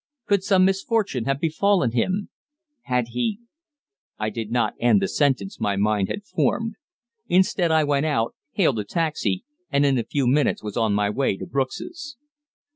Could some misfortune have befallen him? Had he I did not end the sentence my mind had formed. Instead I went out, hailed a taxi, and in a few minutes was on my way to Brooks's.